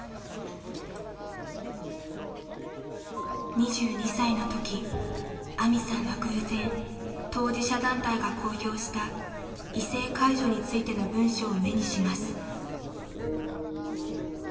２２歳の時あみさんは偶然当事者団体が公表した異性介助についての文章を目にします。